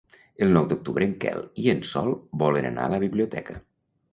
El nou d'octubre en Quel i en Sol volen anar a la biblioteca.